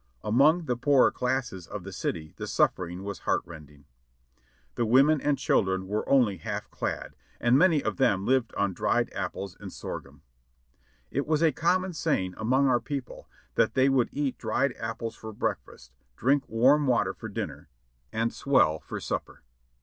Among the poorer classes of the city the suffering was heart rending. The women and children were only half clad, and many of them lived on dried apples and sorghum. It was a com mon saying among our people that they would eat dried apples for breakfast, drink warm water for dinner, and swell for supper.